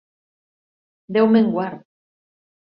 Déu me'n guard!